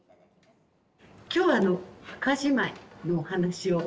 今日はあの墓じまいのお話を。